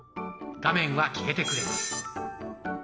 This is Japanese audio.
画面は消えてくれます。